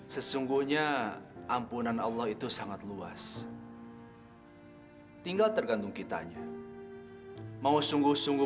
sesungguhnya ampunan allah itu sangat luas tinggal tergantung kitanya mau sungguh sungguh